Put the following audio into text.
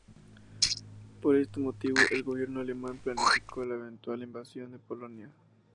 Por este motivo, el gobierno alemán planificó la eventual invasión de Polonia.